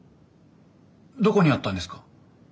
どこにあったんですか？